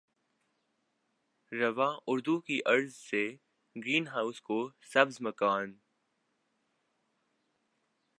رواں اردو کی غرض سے گرین ہاؤس کو سبز مکان